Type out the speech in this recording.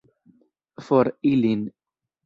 For ilin!